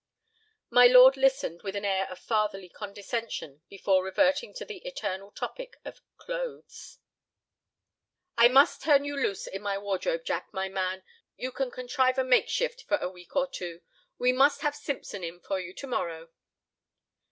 My lord listened with an air of fatherly condescension before reverting to the eternal topic of clothes. "I must turn you loose in my wardrobe, Jack, my man. You can contrive a makeshift for a week or two. We must have Simpson in for you to morrow."